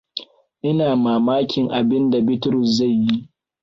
Ina mamakin abinda Bitrus zai yi.